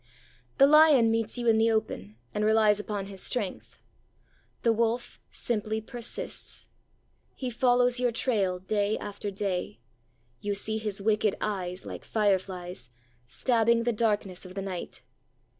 The lion meets you in the open, and relies upon his strength. The wolf simply persists. He follows your trail day after day. You see his wicked eyes, like fireflies, stabbing the darkness of the night.